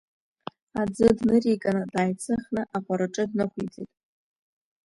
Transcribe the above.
Аӡы дныриган, дааиҵыхны аҟәараҿы днықәиҵеит.